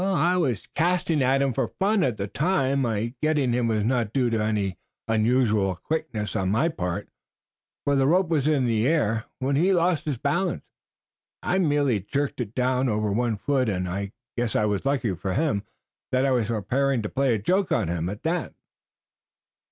"I was casting at him for fun at the time. My getting him was not due to any unusual quickness on my part, for the rope was in the air when he lost his balance. I merely jerked it down over one foot, and I guess it was lucky for him that I was preparing to play a joke on him, at that."